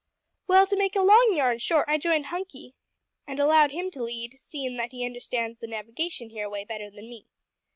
"Well, to make a long yarn short, I joined Hunky and allowed him to lead, seein' that he understands the navigation hereaway better than me.